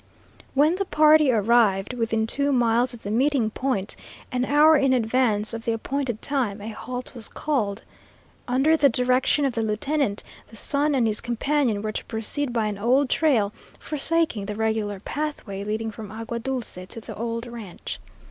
When the party arrived within two miles of the meeting point, an hour in advance of the appointed time, a halt was called. Under the direction of the lieutenant, the son and his companion were to proceed by an old trail, forsaking the regular pathway leading from Agua Dulce to the old ranch.